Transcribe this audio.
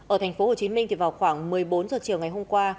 ở tp hcm thì vào khoảng một mươi bốn h chiều ngày hôm qua